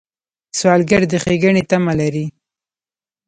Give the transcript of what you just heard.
سوالګر د ښېګڼې تمه لري